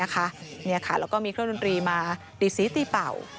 แล้วก็มีเครื่องดนตรีมาตีสีตีเป่า